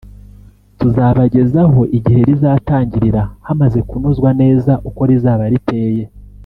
tuzabagezaho igihe rizatangirira hamaze kunozwa neza uko rizaba riteye